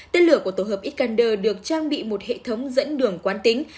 tên lửa của tổ hợp itkander được trang bị một hệ thống dẫn đường quán tính